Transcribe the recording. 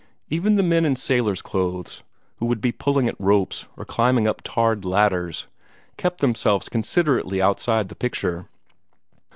Even the men in sailors' clothes, who would be pulling at ropes, or climbing up tarred ladders, kept themselves considerately outside the picture.